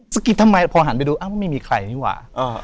กิดทำไมพอหันไปดูอ้าวไม่มีใครนี่หว่า